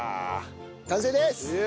完成です！